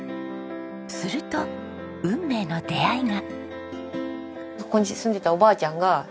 すると運命の出会いが。